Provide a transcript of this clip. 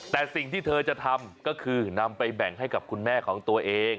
แต่สิ่งที่เธอจะทำก็คือนำไปแบ่งให้กับคุณแม่ของตัวเอง